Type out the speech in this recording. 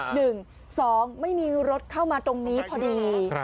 หนึ่งสองไม่มีรถเข้ามาตรงนี้พอดี